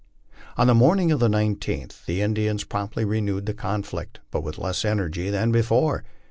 On the morn ing of the 19th the Indians promptly renewed the conflict, but with less energy than before.